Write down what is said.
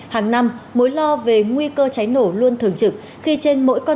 hàng năm mối lo về nguy cơ tránh nổ